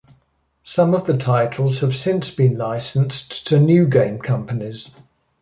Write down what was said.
Some of the titles have since been licensed to new game companies.